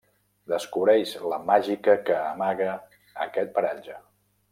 Descobreix la màgica que amaga aquest paratge.